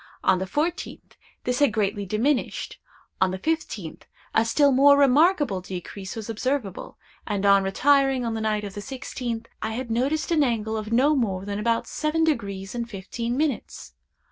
On the fourteenth this had greatly diminished; on the fifteenth a still more remarkable decrease was observable; and, on retiring on the night of the sixteenth, I had noticed an angle of no more than about seven degrees and fifteen minutes.